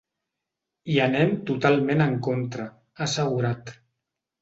Hi anem totalment en contra, ha assegurat.